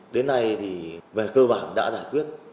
đến nay thì về cơ bản đã giải quyết